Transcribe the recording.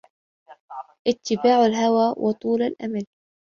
اتِّبَاعَ الْهَوَى وَطُولَ الْأَمَلِ